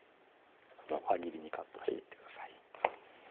輪切りにカットしていってください